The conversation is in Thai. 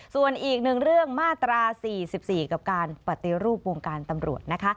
ส่วนอีกหนึ่งเรื่องมาตรา๔๔กับการปฏิรูปวงการตำรวจนะคะ